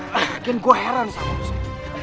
bikin gue heran sama musuh